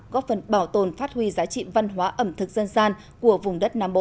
góp phần bảo tồn phát huy giá trị văn hóa ẩm thực dân gian của vùng đất nam bộ